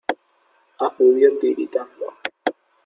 acudió tiritando: